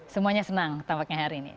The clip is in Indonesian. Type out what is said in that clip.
semuanya senang tampaknya hari ini